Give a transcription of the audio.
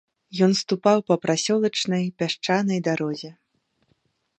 Ён ступаў па прасёлачнай пясчанай дарозе.